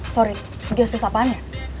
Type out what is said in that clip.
maaf guest list apaan ya